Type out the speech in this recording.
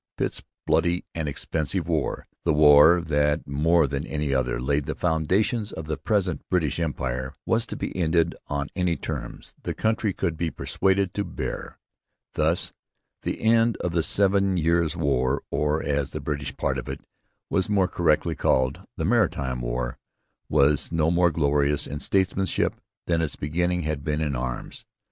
Pitt's 'bloody and expensive war' the war that more than any other, laid the foundations of the present British Empire was to be ended on any terms the country could be persuaded to bear. Thus the end of the Seven Years' War, or, as the British part of it was more correctly called, the 'Maritime War,' was no more glorious in statesmanship than its beginning had been in arms.